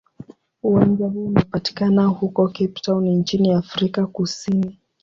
Uwanja huu unapatikana huko Cape Town nchini Afrika Kusini.